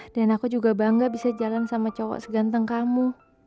dan aku juga bangga bisa jalan sama cowok seganteng kamu